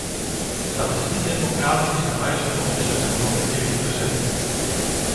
Dat is niet democratisch en wij zullen ons er dan ook tegen verzetten.